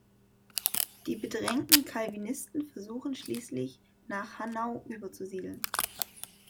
Die bedrängten Calvinisten versuchten schließlich, nach Hanau überzusiedeln.